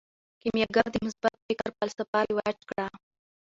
کیمیاګر د مثبت فکر فلسفه رواج کړه.